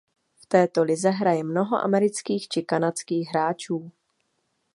V této lize hraje mnoho amerických či kanadských hráčů.